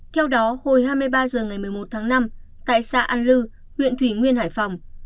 theo đó hồi hai mươi ba h ngày một mươi một tháng năm tại xã an lư huyện thủy nguyên hải phòng